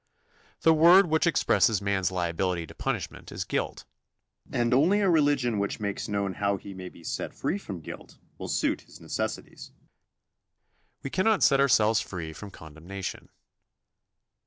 The word which expresses man's liability to punishment is "guilt," and only a religion which makes known how he may be set free from guilt will suit his necessities. We cannot set ourselves free from condemnation.